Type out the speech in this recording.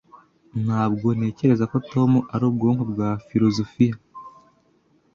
Ntabwo ntekereza ko Tom ari ubwoko bwa filozofiya.